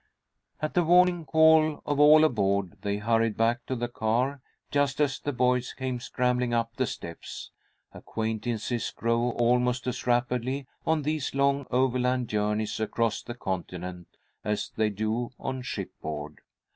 At the warning call of all aboard, they hurried back to the car just as the boys came scrambling up the steps. Acquaintances grow almost as rapidly on these long overland journeys across the continent as they do on shipboard.